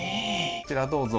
こちらどうぞ。